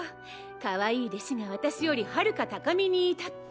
かわいい弟子が私よりはるか高みに至って。